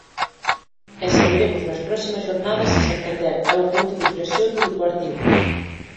E saberemos nas próximas xornadas se Santander é o punto de inflexión do Deportivo.